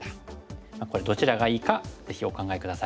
これどちらがいいかぜひお考え下さい。